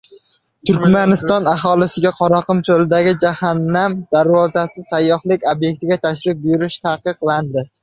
Turkmaniston aholisiga Qoraqum cho‘lidagi “Jahannam darvozasi” sayyohlik obyektiga tashrif buyurish taqiqlandi